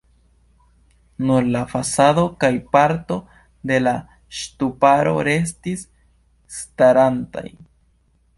Nur la fasado kaj parto de la ŝtuparo restis starantaj.